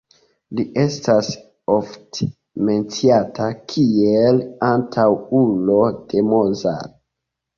Li estas ofte menciata kiel antaŭulo de Mozart.